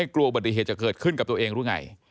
กลัวอุบัติเหตุจะเกิดขึ้นกับตัวเองหรือไง